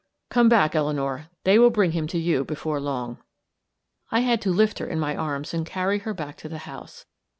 "Come back, Eleanor; they will bring him to you before long." I had to lift her in my arms and carry her back to the house.